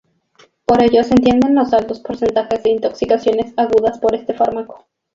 Por ello se entienden los altos porcentajes de intoxicaciones agudas por este fármaco.